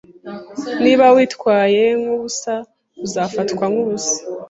Niba witwaye nkubusa, uzafatwa nkubusa.